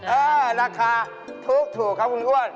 เออราคาถูกครับคุณอ้วน